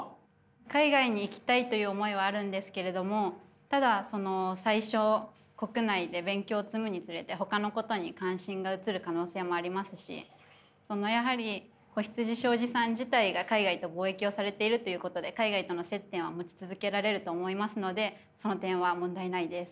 海外に行きたいという思いはあるんですけれどもただ最初国内で勉強を積むにつれてほかのことに関心が移る可能性もありますしやはり子羊商事さん自体が海外と貿易をされているということで海外との接点は持ち続けられると思いますのでその点は問題ないです。